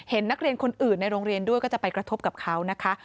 นักเรียนคนอื่นในโรงเรียนด้วยก็จะไปกระทบกับเขานะคะ